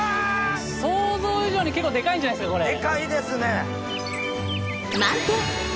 想像以上に結構デカいんじゃないですかこれ。